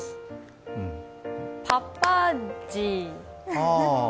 パ・パ・ジー。